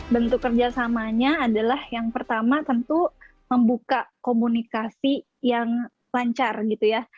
bentuk kerjasamanya adalah yang pertama tentu membuka komunikasi yang lancar gitu ya